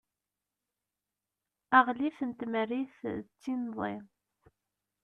aɣlif n tmerrit d tinḍi